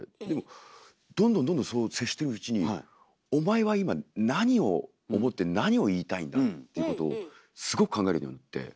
でもどんどんどんどんそう接していくうちにお前は今何を思って何を言いたいんだっていうことをすごく考えるようになって。